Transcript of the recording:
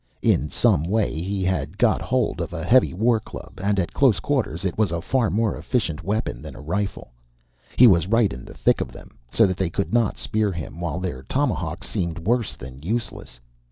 In some way he had got hold of a heavy war club, and at close quarters it was a far more efficient weapon than a rifle. He was right in the thick of them, so that they could not spear him, while their tomahawks seemed worse than useless.